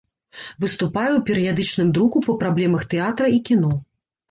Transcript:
Выступае ў перыядычным друку па праблемах тэатра і кіно.